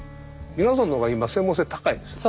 皆さんの方が今は専門性高いです。